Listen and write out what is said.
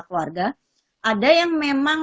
keluarga ada yang memang